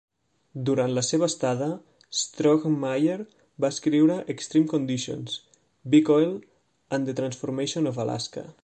Durant la seva estada, Strohmeyer va escriure "Extreme Conditions: Big Oil and the Transformation of Alaska".